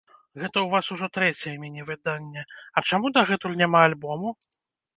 Гэта ў вас ужо трэцяе міні-выданне, а чаму дагэтуль няма альбому?